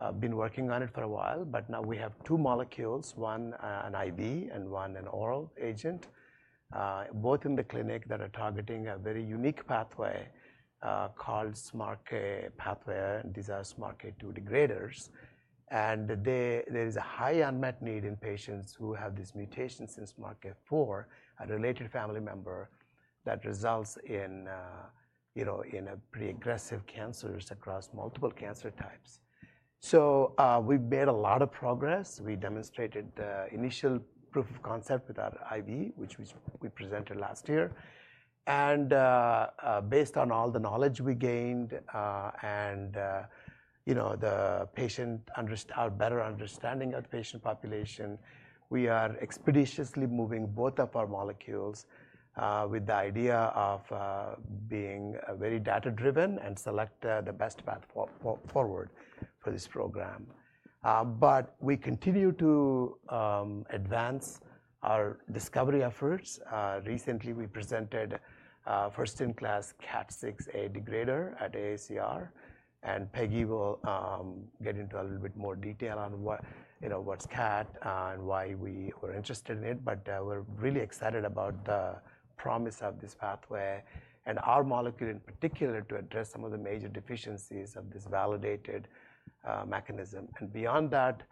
I've been working on it for a while, but now we have two molecules, one an IV and one an oral agent, both in the clinic that are targeting a very unique pathway called SMARCA pathway, and these are SMARCA2 degraders. There is a high unmet need in patients who have this mutation since SMARCA4, a related family member, that results in, you know, in pretty aggressive cancers across multiple cancer types. We have made a lot of progress. We demonstrated the initial proof of concept with our IV, which we presented last year. Based on all the knowledge we gained and, you know, the better understanding of the patient population, we are expeditiously moving both of our molecules with the idea of being very data-driven and select the best path forward for this program. We continue to advance our discovery efforts. Recently, we presented first-in-class KAT6A degrader at AACR, and Peggy will get into a little bit more detail on what, you know, what's KAT and why we were interested in it. But we're really excited about the promise of this pathway and our molecule in particular to address some of the major deficiencies of this validated mechanism. Beyond that,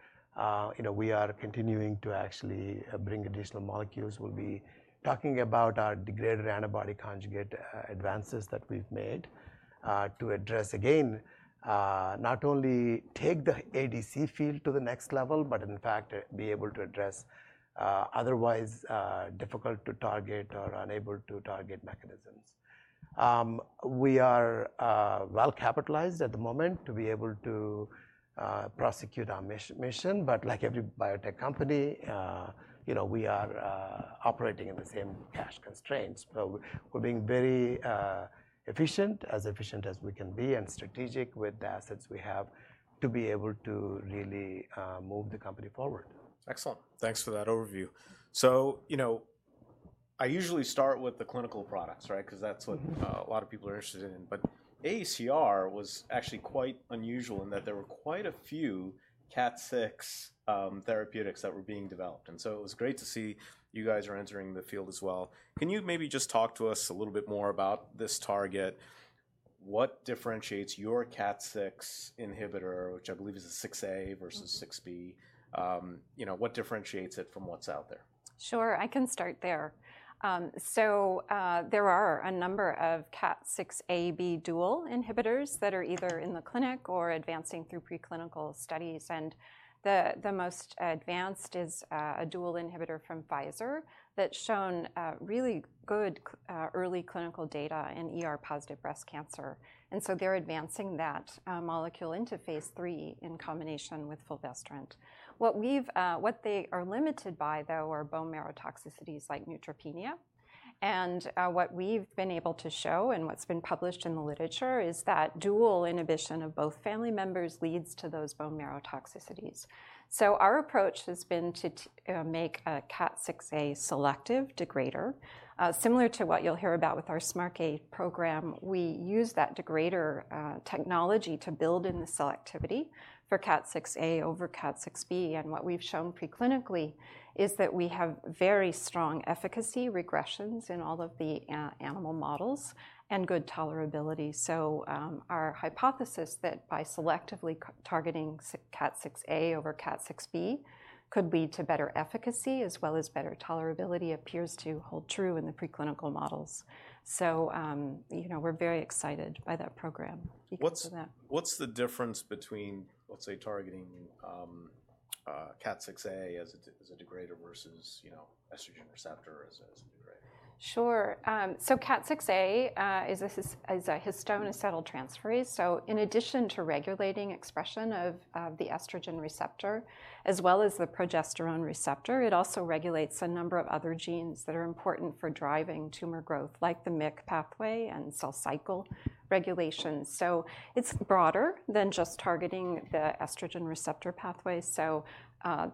you know, we are continuing to actually bring additional molecules. We'll be talking about our degraded antibody conjugate advances that we've made to address, again, not only take the ADC field to the next level, but in fact be able to address otherwise difficult to target or unable to target mechanisms. We are well capitalized at the moment to be able to prosecute our mission. Like every biotech company, you know, we are operating in the same cash constraints. We're being very efficient, as efficient as we can be, and strategic with the assets we have to be able to really move the company forward. Excellent. Thanks for that overview. You know, I usually start with the clinical products, right, because that's what a lot of people are interested in. AACR was actually quite unusual in that there were quite a few KAT6 therapeutics that were being developed. It was great to see you guys are entering the field as well. Can you maybe just talk to us a little bit more about this target? What differentiates your KAT6 inhibitor, which I believe is a 6A versus 6B? You know, what differentiates it from what's out there? Sure, I can start there. There are a number of KAT6A/B dual inhibitors that are either in the clinic or advancing through preclinical studies. The most advanced is a dual inhibitor from Pfizer that's shown really good early clinical data in positive breast cancer. They're advancing that molecule into phase III in combination with fulvestrant. What they are limited by, though, are bone marrow toxicities like neutropenia. What we've been able to show and what's been published in the literature is that dual inhibition of both family members leads to those bone marrow toxicities. Our approach has been to make a KAT6A selective degrader. Similar to what you'll hear about with our SMARCA program, we use that degrader technology to build in the selectivity for KAT6A over KAT6B. What we've shown preclinically is that we have very strong efficacy regressions in all of the animal models and good tolerability. Our hypothesis that by selectively targeting KAT6A over KAT6B could lead to better efficacy as well as better tolerability appears to hold true in the preclinical models. You know, we're very excited by that program. What's the difference between, let's say, targeting KAT6A as a degrader versus, you know, estrogen receptor as a degrader? Sure. CAT6A is a histone acetyltransferase. In addition to regulating expression of the estrogen receptor as well as the progesterone receptor, it also regulates a number of other genes that are important for driving tumor growth, like the MYC pathway and cell cycle regulation. It is broader than just targeting the estrogen receptor pathway.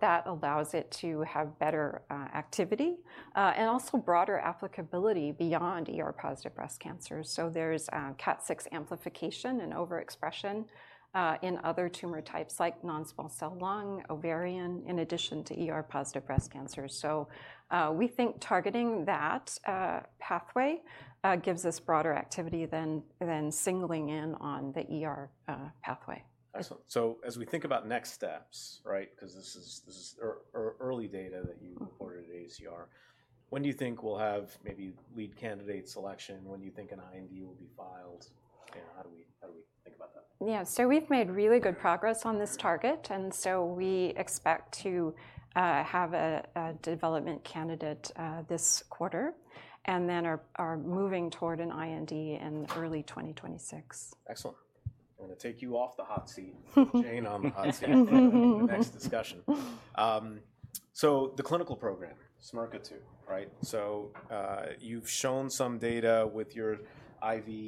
That allows it to have better activity and also broader applicability beyond positive breast cancers. There is CAT6 amplification and overexpression in other tumor types like non-small cell lung, ovarian, in addition to positive breast cancers. We think targeting that pathway gives us broader activity than singling in on the pathway. Excellent. As we think about next steps, right, because this is early data that you reported at AACR, when do you think we'll have maybe lead candidate selection? When do you think an IND will be filed? You know, how do we think about that? Yeah, so we've made really good progress on this target. We expect to have a development candidate this quarter and then are moving toward an IND in early 2026. Excellent. I'm going to take you off the hot seat. Jane on the hot seat for the next discussion. The clinical program, SMARCA2, right? You've shown some data with your IV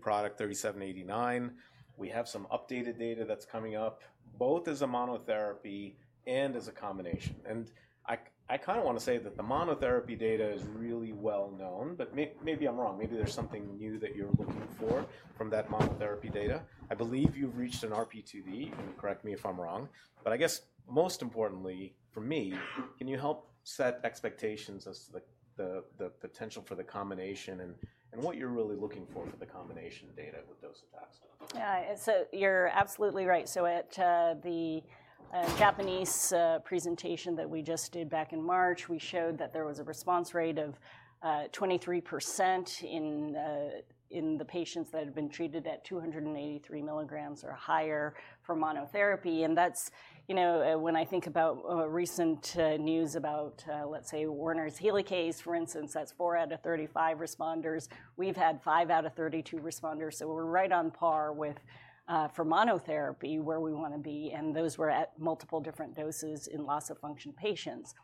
product 3789. We have some updated data that's coming up, both as a monotherapy and as a combination. I kind of want to say that the monotherapy data is really well known, but maybe I'm wrong. Maybe there's something new that you're looking for from that monotherapy data. I believe you've reached an RP2D. You can correct me if I'm wrong. I guess most importantly for me, can you help set expectations as to the potential for the combination and what you're really looking for for the combination data with those attacks? Yeah, so you're absolutely right. At the Japanese presentation that we just did back in March, we showed that there was a response rate of 23% in the patients that had been treated at 283 mg or higher for monotherapy. And that's, you know, when I think about recent news about, let's say, Werner's helicase, for instance, that's four out of 35 responders. We've had five out of 32 responders. We're right on par with, for monotherapy, where we want to be. Those were at multiple different doses in loss of function patients.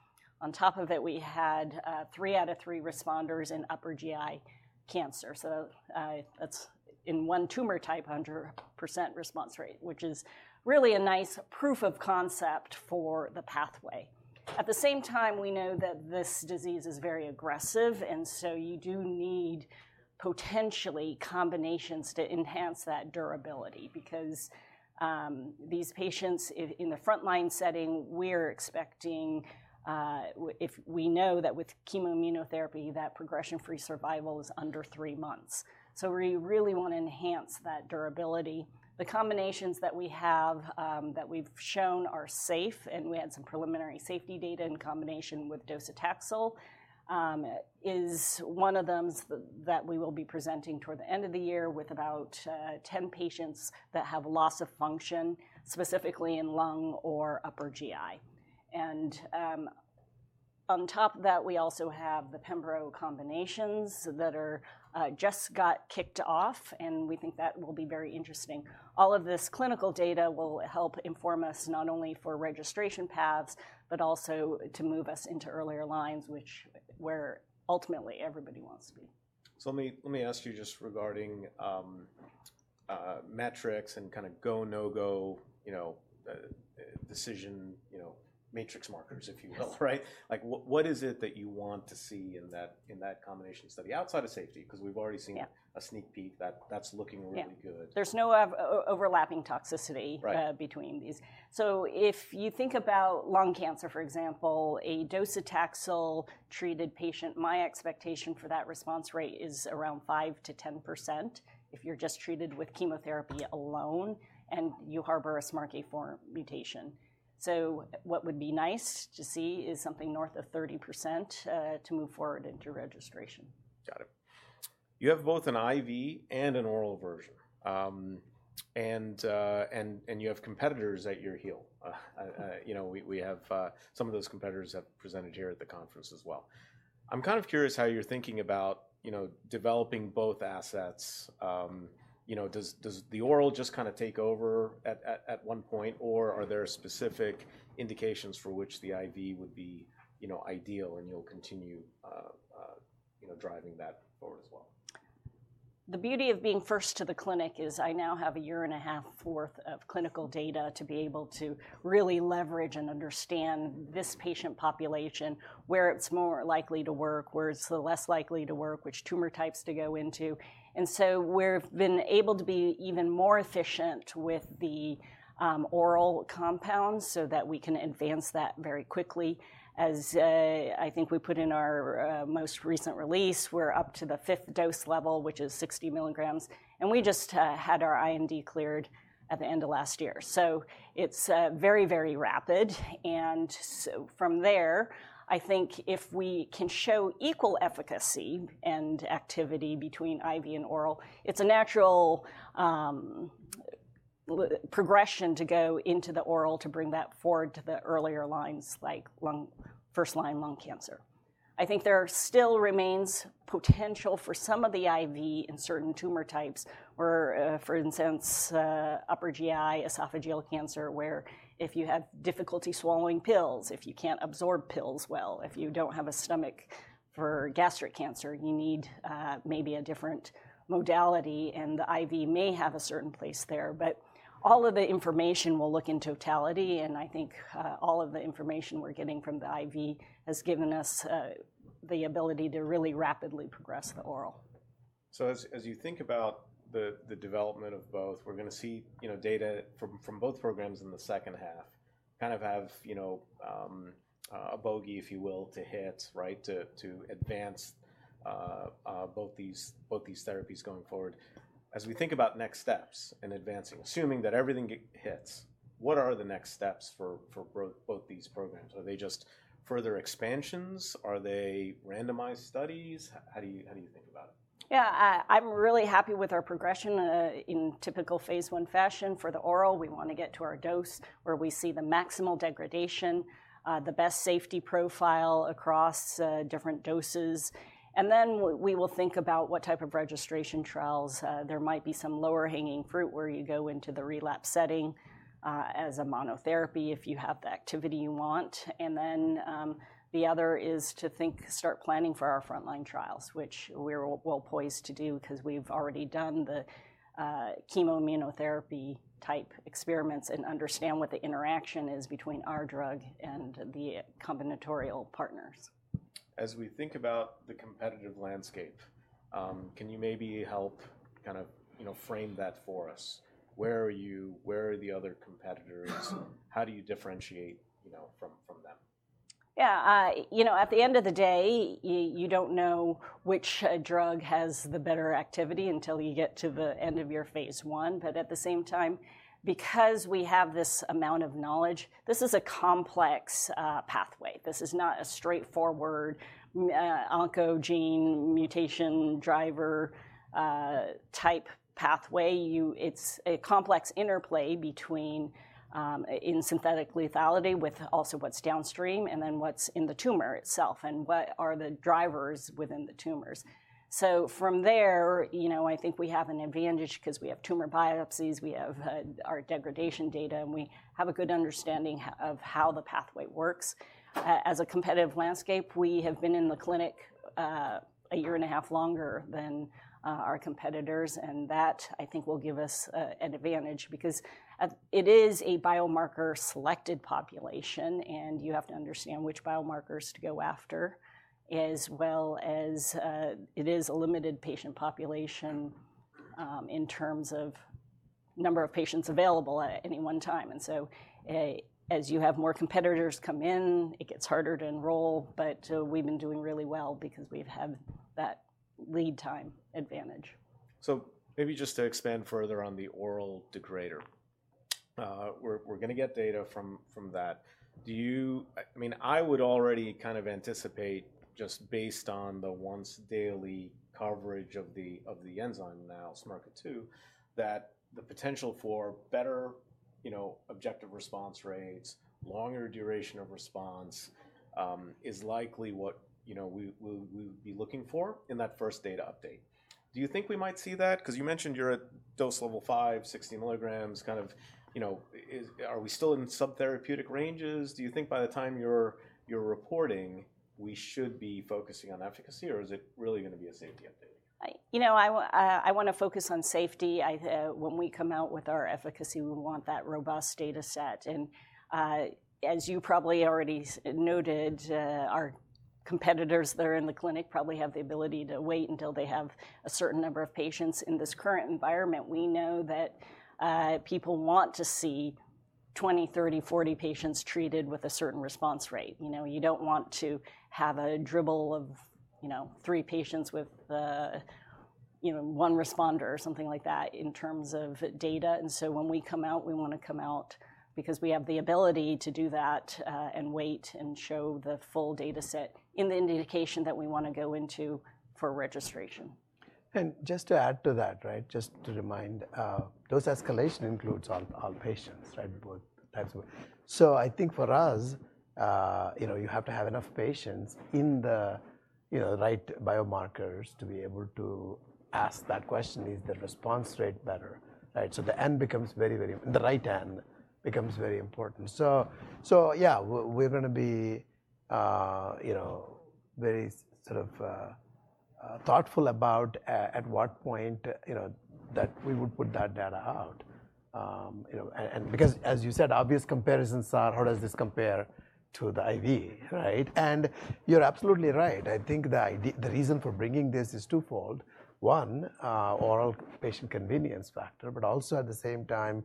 On top of it, we had three out of three responders in upper GI cancer. That's in one tumor type, 100% response rate, which is really a nice proof of concept for the pathway. At the same time, we know that this disease is very aggressive. You do need potentially combinations to enhance that durability because these patients in the frontline setting, we're expecting if we know that with chemoimmunotherapy, that progression-free survival is under three months. We really want to enhance that durability. The combinations that we have that we've shown are safe. We had some preliminary safety data in combination with docetaxel, which is one of them that we will be presenting toward the end of the year with about 10 patients that have loss of function, specifically in lung or upper GI. On top of that, we also have the pembrolizumab combinations that just got kicked off. We think that will be very interesting. All of this clinical data will help inform us not only for registration paths, but also to move us into earlier lines, which is where ultimately everybody wants to be. Let me ask you just regarding metrics and kind of go, no go, you know, decision, you know, matrix markers, if you will, right? Like what is it that you want to see in that combination study outside of safety? Because we've already seen a sneak peek that's looking really good. Yeah, there's no overlapping toxicity between these. If you think about lung cancer, for example, a docetaxel treated patient, my expectation for that response rate is around 5%-10% if you're just treated with chemotherapy alone and you harbor a SMARCA4 mutation. What would be nice to see is something north of 30% to move forward into registration. Got it. You have both an IV and an oral version. You have competitors at your heel. You know, we have some of those competitors have presented here at the conference as well. I'm kind of curious how you're thinking about, you know, developing both assets. You know, does the oral just kind of take over at one point, or are there specific indications for which the IV would be, you know, ideal and you'll continue, you know, driving that forward as well? The beauty of being first to the clinic is I now have a year and a half worth of clinical data to be able to really leverage and understand this patient population, where it's more likely to work, where it's less likely to work, which tumor types to go into. We've been able to be even more efficient with the oral compounds so that we can advance that very quickly. As I think we put in our most recent release, we're up to the fifth dose level, which is 60 mg. We just had our IND cleared at the end of last year. It is very, very rapid. From there, I think if we can show equal efficacy and activity between IV and oral, it's a natural progression to go into the oral to bring that forward to the earlier lines, like first-line lung cancer. I think there still remains potential for some of the IV in certain tumor types or, for instance, upper GI esophageal cancer, where if you have difficulty swallowing pills, if you can't absorb pills well, if you don't have a stomach for gastric cancer, you need maybe a different modality. The IV may have a certain place there. All of the information we'll look in totality. I think all of the information we're getting from the IV has given us the ability to really rapidly progress the oral. As you think about the development of both, we're going to see, you know, data from both programs in the second half, kind of have, you know, a bogey, if you will, to hit, right, to advance both these therapies going forward. As we think about next steps in advancing, assuming that everything hits, what are the next steps for both these programs? Are they just further expansions? Are they randomized studies? How do you think about it? Yeah, I'm really happy with our progression in typical phase I fashion for the oral. We want to get to our dose where we see the maximal degradation, the best safety profile across different doses. Then we will think about what type of registration trials. There might be some lower hanging fruit where you go into the relapse setting as a monotherapy if you have the activity you want. The other is to think, start planning for our frontline trials, which we're well poised to do because we've already done the chemoimmunotherapy type experiments and understand what the interaction is between our drug and the combinatorial partners. As we think about the competitive landscape, can you maybe help kind of, you know, frame that for us? Where are you? Where are the other competitors? How do you differentiate, you know, from them? Yeah, you know, at the end of the day, you don't know which drug has the better activity until you get to the end of your phase I. At the same time, because we have this amount of knowledge, this is a complex pathway. This is not a straightforward oncogene mutation driver type pathway. It's a complex interplay between in synthetic lethality with also what's downstream and then what's in the tumor itself and what are the drivers within the tumors. From there, you know, I think we have an advantage because we have tumor biopsies, we have our degradation data, and we have a good understanding of how the pathway works. As a competitive landscape, we have been in the clinic a year and a half longer than our competitors. That, I think, will give us an advantage because it is a biomarker-selected population. You have to understand which biomarkers to go after, as well as it is a limited patient population in terms of number of patients available at any one time. As you have more competitors come in, it gets harder to enroll. We have been doing really well because we have had that lead time advantage. Maybe just to expand further on the oral degrader, we're going to get data from that. Do you, I mean, I would already kind of anticipate just based on the once daily coverage of the enzyme now, SMARCA2, that the potential for better, you know, objective response rates, longer duration of response is likely what, you know, we would be looking for in that first data update. Do you think we might see that? Because you mentioned you're at dose level five, 60 mg, kind of, you know, are we still in subtherapeutic ranges? Do you think by the time you're reporting, we should be focusing on efficacy, or is it really going to be a safety update? You know, I want to focus on safety. When we come out with our efficacy, we want that robust data set. As you probably already noted, our competitors that are in the clinic probably have the ability to wait until they have a certain number of patients. In this current environment, we know that people want to see 20, 30, 40 patients treated with a certain response rate. You know, you do not want to have a dribble of, you know, three patients with, you know, one responder or something like that in terms of data. When we come out, we want to come out because we have the ability to do that and wait and show the full data set in the indication that we want to go into for registration. Just to add to that, right, just to remind, dose escalation includes all patients, right, both types of. I think for us, you know, you have to have enough patients in the, you know, right biomarkers to be able to ask that question, is the response rate better, right? The N becomes very, very, the right N becomes very important. Yeah, we're going to be, you know, very sort of thoughtful about at what point, you know, that we would put that data out. You know, and because as you said, obvious comparisons are, how does this compare to the IV, right? You're absolutely right. I think the reason for bringing this is twofold. One, oral patient convenience factor, but also at the same time,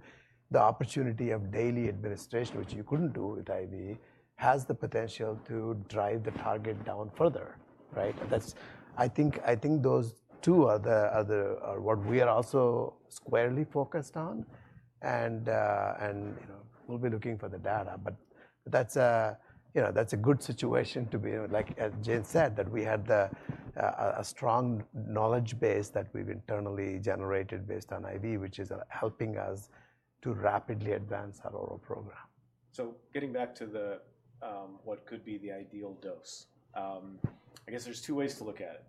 the opportunity of daily administration, which you could not do with IV, has the potential to drive the target down further, right? I think those two are what we are also squarely focused on. We will be looking for the data. That is, you know, that is a good situation to be, like Jane said, that we had a strong knowledge base that we have internally generated based on IV, which is helping us to rapidly advance our oral program. Getting back to what could be the ideal dose, I guess there's two ways to look at it.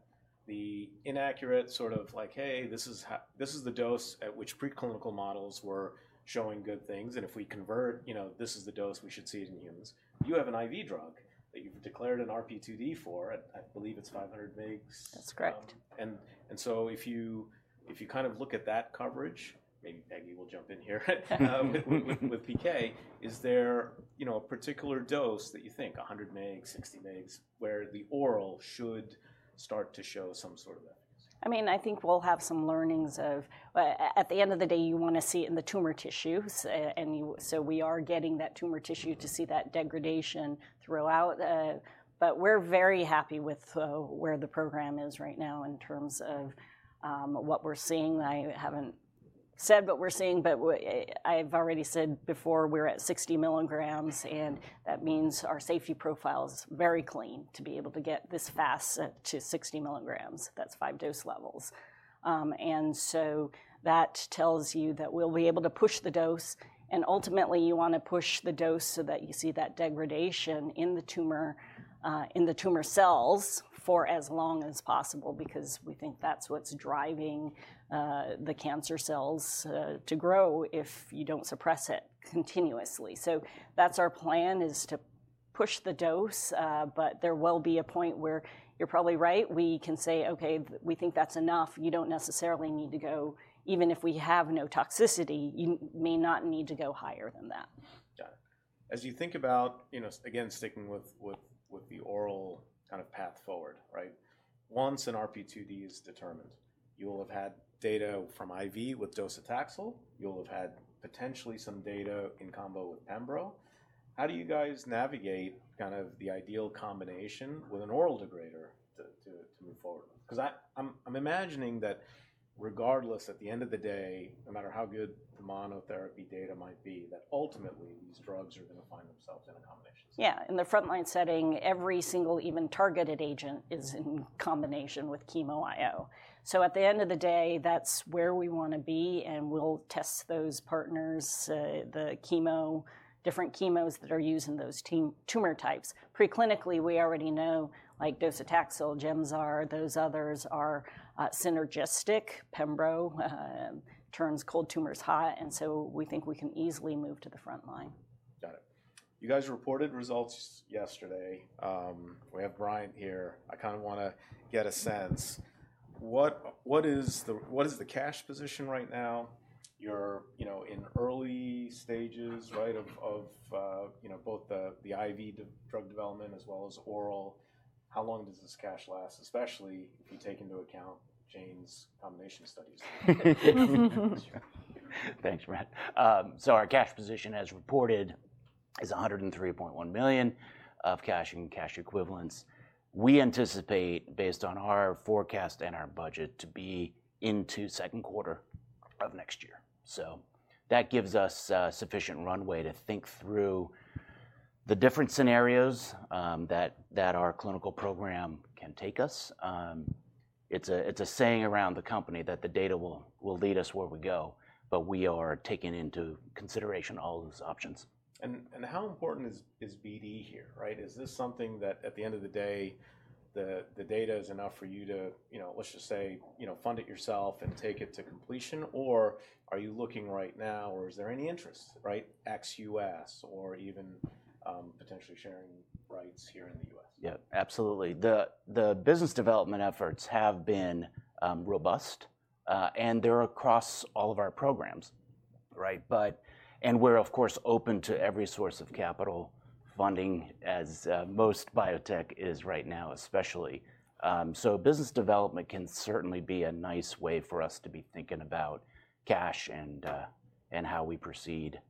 The inaccurate sort of like, hey, this is the dose at which preclinical models were showing good things. And if we convert, you know, this is the dose we should see it in humans. You have an IV drug that you've declared an RP2D for. I believe it's 500 mg. That's correct. If you kind of look at that coverage, maybe Peggy will jump in here with PK, is there, you know, a particular dose that you think, 100 mg, 60 mg, where the oral should start to show some sort of efficacy? I mean, I think we'll have some learnings of, at the end of the day, you want to see it in the tumor tissues. We are getting that tumor tissue to see that degradation throughout. We are very happy with where the program is right now in terms of what we're seeing. I haven't said what we're seeing, but I've already said before, we're at 60 mg. That means our safety profile is very clean to be able to get this fast to 60 mg. That's five dose levels. That tells you that we'll be able to push the dose. Ultimately, you want to push the dose so that you see that degradation in the tumor cells for as long as possible because we think that's what's driving the cancer cells to grow if you don't suppress it continuously. That's our plan is to push the dose. But there will be a point where you're probably right. We can say, okay, we think that's enough. You don't necessarily need to go, even if we have no toxicity, you may not need to go higher than that. Got it. As you think about, you know, again, sticking with the oral kind of path forward, right? Once an RP2D is determined, you will have had data from IV with docetaxel. You'll have had potentially some data in combo with Pembro. How do you guys navigate kind of the ideal combination with an oral degrader to move forward? Because I'm imagining that regardless, at the end of the day, no matter how good the monotherapy data might be, that ultimately these drugs are going to find themselves in a combination. Yeah. In the frontline setting, every single even targeted agent is in combination with chemo IO. At the end of the day, that's where we want to be. We'll test those partners, the chemo, different chemos that are used in those tumor types. Preclinically, we already know, like docetaxel, Gemzar, those others are synergistic. Pembro turns cold tumors hot. We think we can easily move to the frontline. Got it. You guys reported results yesterday. We have Bryant here. I kind of want to get a sense. What is the cash position right now? You're, you know, in early stages, right, of both the IV drug development as well as oral. How long does this cash last, especially if you take into account Jane's combination studies? Thanks, Brant. Our cash position, as reported, is $103.1 million of cash and cash equivalents. We anticipate, based on our forecast and our budget, to be into second quarter of next year. That gives us sufficient runway to think through the different scenarios that our clinical program can take us. It's a saying around the company that the data will lead us where we go, but we are taking into consideration all those options. How important is BD here, right? Is this something that at the end of the day, the data is enough for you to, you know, let's just say, you know, fund it yourself and take it to completion, or are you looking right now, or is there any interest, right, ex U.S. or even potentially sharing rights here in the U.S.? Yeah, absolutely. The business development efforts have been robust, and they're across all of our programs, right? We're, of course, open to every source of capital funding, as most biotech is right now, especially. Business development can certainly be a nice way for us to be thinking about cash and how we proceed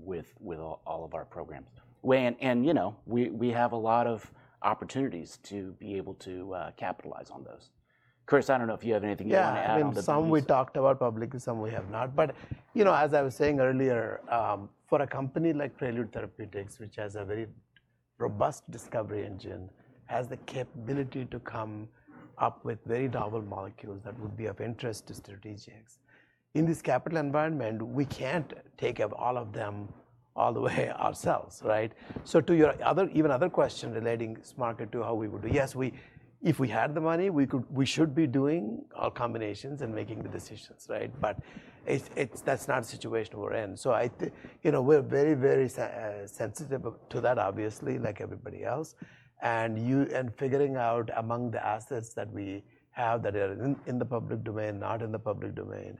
with all of our programs. You know, we have a lot of opportunities to be able to capitalize on those. Kris, I don't know if you have anything you want to add on the business development. Yeah, I mean, some we talked about publicly, some we have not. But, you know, as I was saying earlier, for a company like Prelude Therapeutics, which has a very robust discovery engine, has the capability to come up with very novel molecules that would be of interest to strategics. In this capital environment, we can't take all of them all the way ourselves, right? To your even other question relating SMARCA to how we would do, yes, if we had the money, we should be doing all combinations and making the decisions, right? That's not a situation we're in. I, you know, we're very, very sensitive to that, obviously, like everybody else. Figuring out among the assets that we have that are in the public domain, not in the public domain,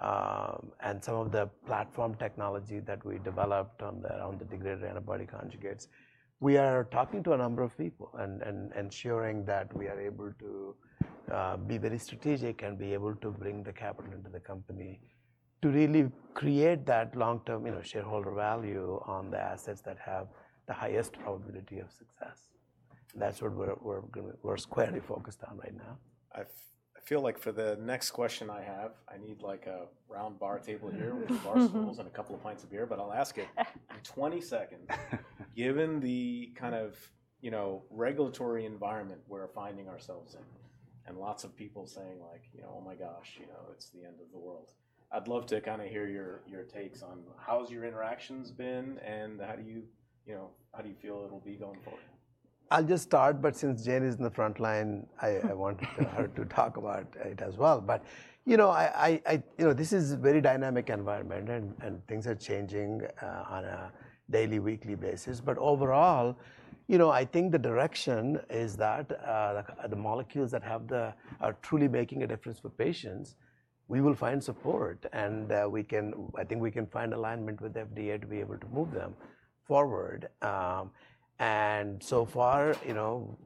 and some of the platform technology that we developed around the degraded antibody conjugates, we are talking to a number of people and ensuring that we are able to be very strategic and be able to bring the capital into the company to really create that long-term, you know, shareholder value on the assets that have the highest probability of success. That is what we are squarely focused on right now. I feel like for the next question I have, I need like a round bar table here with some barstools and a couple of pints of beer, but I'll ask it in 20 seconds. Given the kind of, you know, regulatory environment we're finding ourselves in and lots of people saying like, you know, oh my gosh, you know, it's the end of the world, I'd love to kind of hear your takes on how's your interactions been and how do you, you know, how do you feel it'll be going forward? I'll just start, but since Jane is in the frontline, I want her to talk about it as well. But, you know, you know, this is a very dynamic environment and things are changing on a daily, weekly basis. But overall, you know, I think the direction is that the molecules that are truly making a difference for patients, we will find support. And we can, I think we can find alignment with FDA to be able to move them forward. And so far, you know,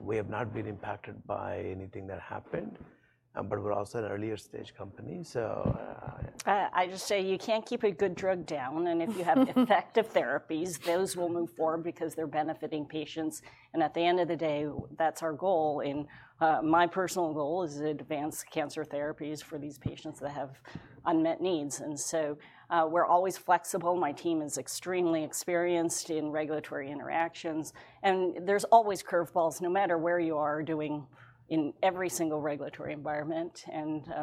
we have not been impacted by anything that happened, but we're also an earlier stage company. I just say you can't keep a good drug down. If you have effective therapies, those will move forward because they're benefiting patients. At the end of the day, that's our goal. My personal goal is to advance cancer therapies for these patients that have unmet needs. We're always flexible. My team is extremely experienced in regulatory interactions. There are always curveballs, no matter what you are doing in every single regulatory environment.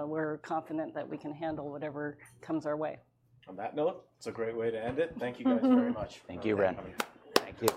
We're confident that we can handle whatever comes our way. On that note, it's a great way to end it. Thank you guys very much. Thank you, Brant. Thank you.